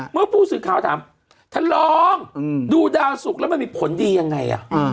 เมื่อผู้สื่อข่าวถามท่านรองดูดาวสุกแล้วมันมีผลดียังไง